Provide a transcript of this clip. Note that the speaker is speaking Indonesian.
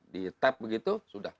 di tap begitu sudah